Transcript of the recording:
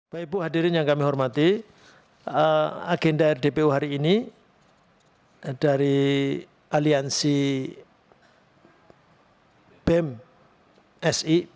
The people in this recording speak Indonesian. bapak ibu hadirin yang kami hormati agenda rdpu hari ini dari aliansi bem si